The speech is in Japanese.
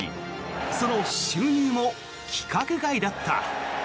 その収入も規格外だった。